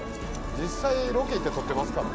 実際ロケ行って撮ってますから。